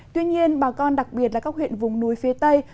tuy nhiên bà con đặc biệt là các huyện vùng núi phía tây